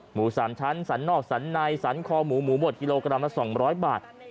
หมู๓ชั้นสันนอกสันในสันคอหมูหมูบดกิโลกรัมละ๒๐๐บาท